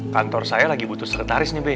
kantor saya lagi butuh sekretaris nih b